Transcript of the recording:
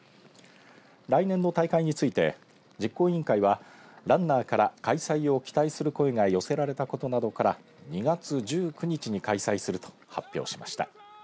来年の大会について実行委員会はランナーから開催を期待する声が寄せられたことなどから２月１９日に開催すると発表しました。